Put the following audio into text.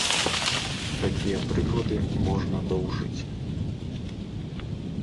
Такія прыклады можна доўжыць.